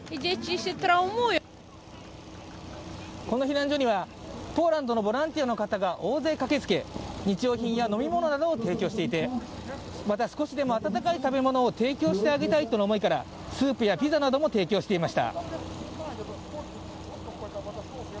この避難所には、ポーランドのボランティアの人が大勢駆けつけ、日用品や飲み物などを提供していて、また少しでも温かい食べ物を提供してあげたいなどの思いからスープやピザなども提供していました。